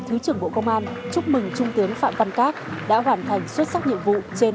thứ trưởng bộ công an chúc mừng trung tướng phạm văn cát đã hoàn thành xuất sắc nhiệm vụ trên